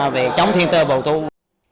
về chống thiên tơ bầu thung